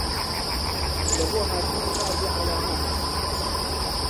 لەبۆ هاتنی بەعزێ عەلامات